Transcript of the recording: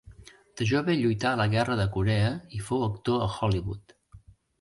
De jove lluità a la Guerra de Corea i fou actor a Hollywood.